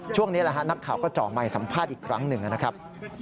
ช่วงนี้นะคะนักข่าก็เจาะใหม่สัมภาษณ์อีกครั้งหนึ่งนะครับ